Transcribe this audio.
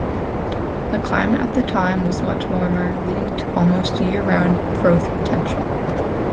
The climate at the time was much warmer, leading to almost year-round growth potential.